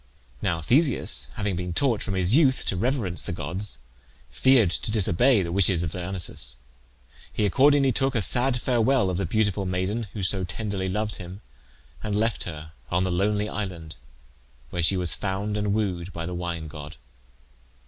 Now Theseus, having been taught from his youth to reverence the gods, feared to disobey the wishes of Dionysus. He accordingly took a sad farewell of the beautiful maiden who so tenderly loved him, and left her on the lonely island, where she was found and wooed by the wine god.